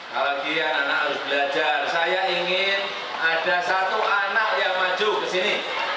kalau kalian anak harus belajar saya ingin ada satu anak yang maju ke sini